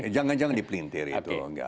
jangan jangan dipelintir itu